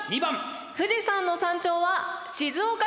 富士山の山頂は静岡県。